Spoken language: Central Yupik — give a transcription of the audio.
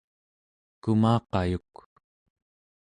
kumaqayuk